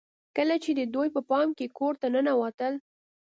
کله چې دوی په پای کې کور ته ننوتل